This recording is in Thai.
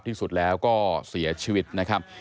ที่สุดแล้วก็เสียชีวิตนะครับ